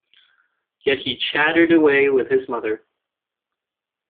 Yet he chattered away with his mother.